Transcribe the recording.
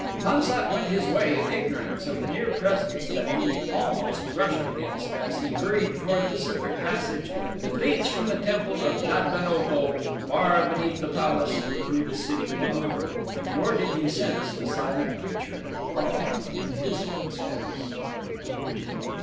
Pan sat went his way in ignorance of the near presence that he almost brushed against as he hurried toward the secret passage that leads from the temple of Jad ben Otho, far beneath the palace, to the city beyond, nor did he sense the silent creature following in his footsteps.